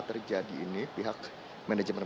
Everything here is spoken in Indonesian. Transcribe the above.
terjadi ini pihak manajemen